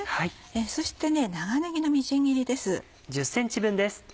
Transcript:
そして長ねぎのみじん切りです。